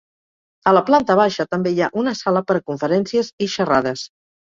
A la planta baixa també hi ha una sala per a conferències i xerrades.